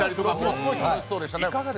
すごい楽しそうでしたね。